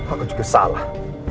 aku juga salah